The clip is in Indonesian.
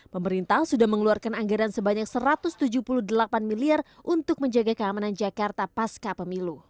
pemerintah sudah mengeluarkan anggaran sebanyak satu ratus tujuh puluh delapan miliar untuk menjaga keamanan jakarta pasca pemilu